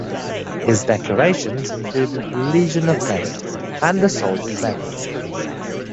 His decorations included the Legion of Merit and the Soldier's Medal.